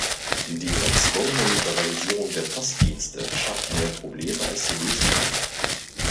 Die erzwungene Liberalisierung der Postdienste schafft mehr Probleme als sie lösen kann.